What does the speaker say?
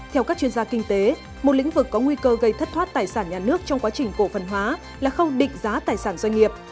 theo các chuyên gia kinh tế một lĩnh vực có nguy cơ gây thất thoát tài sản nhà nước trong quá trình cổ phần hóa là khâu định giá tài sản doanh nghiệp